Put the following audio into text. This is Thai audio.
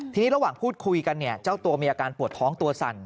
ทีนี้ระหว่างพูดคุยกันเนี่ยเจ้าตัวมีอาการปวดท้องตัวสั่น